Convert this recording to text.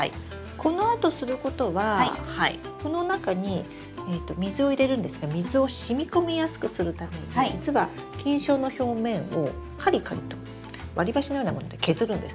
このあとすることはこの中に水を入れるんですが水をしみこみやすくするために実は菌床の表面をカリカリと割り箸のようなもので削るんです。